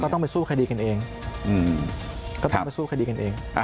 ต้องไปสู้คดีกันเอง